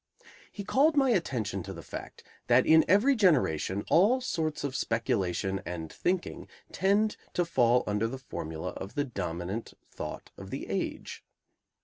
He called my attention to the fact that in every generation all sorts of speculation and thinking tend to fall under the formula of the dominant thought of the age.